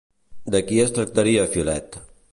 De qui es tractaria Filet?